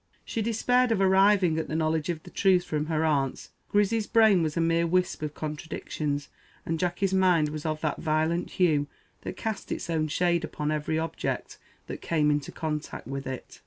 She despaired of arriving at the knowledge of the truth from her aunts. Grizzy's brain was a mere wisp of contradictions; and Jacky's mind was of that violent hue that cast its own shade upon every object that came in contact with it.